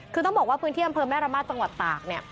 คือต้องบอกว่าพื้นที่อำเภอแม่ระมาทจังหวัดตากเนี่ย